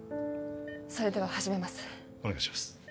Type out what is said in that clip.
それでは始めますお願いします